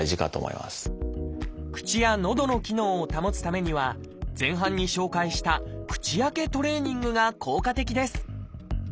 口やのどの機能を保つためには前半に紹介した口開けトレーニングが効果的です。